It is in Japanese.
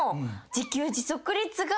自給自足が？